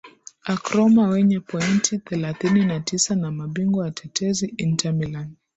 ac roma wenye pointi thelathini na tisa na mabingwa watetezi inter millan